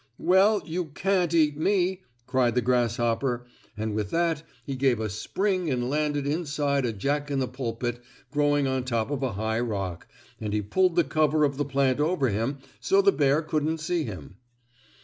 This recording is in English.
"Well, you can't eat me!" cried the grasshopper and with that he gave a spring and landed inside of a Jack in the Pulpit growing on top of a high rock, and he pulled the cover of the plant over him so the bear couldn't see him.